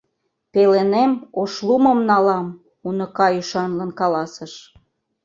— Пеленем Ошлумым налам, — уныка ӱшанлын каласыш.